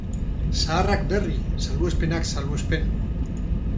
Zaharrak berri, salbuespenak-salbuespen.